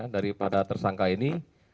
dari pada tersangka ini